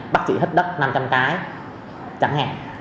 bác chị hít đất năm trăm linh cái chẳng hạn